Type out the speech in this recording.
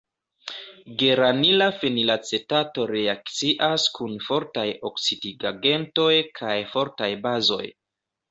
Geranila fenilacetato reakcias kun fortaj oksidigagentoj kaj fortaj bazoj.